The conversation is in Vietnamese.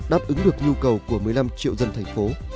đáp ứng được nhu cầu của một mươi năm triệu dân thành phố